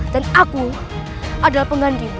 dan aku adalah pengganti ibu